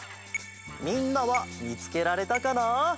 みんなはみつけられたかな？